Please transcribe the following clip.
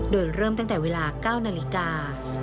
โดยเริ่มตั้งแต่เวลา๙นาฬิกา